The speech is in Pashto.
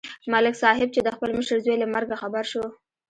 ملک صاحب چې د خپل مشر زوی له مرګه خبر شو